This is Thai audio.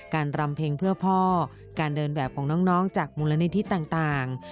รำเพลงเพื่อพ่อการเดินแบบของน้องจากมูลนิธิต่าง